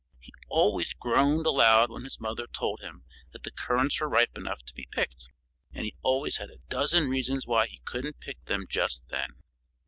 He always groaned aloud when his mother told him that the currants were ripe enough to be picked. And he always had a dozen reasons why he couldn't pick them just then.